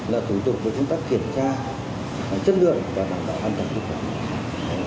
là thủ tục của chúng ta kiểm tra chất lượng và bảo vệ hoàn toàn